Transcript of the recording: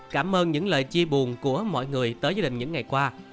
cảm ơn những lời chia buồn của mọi người tới gia đình những ngày qua